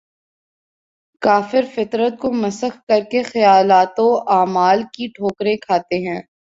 کافر فطرت کو مسخ کر کے خیالات و اعمال کی ٹھوکریں کھاتے ہیں